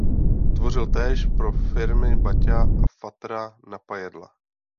Tvořil též pro firmy Baťa a Fatra Napajedla.